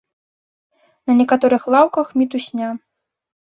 На некаторых лаўках мітусня.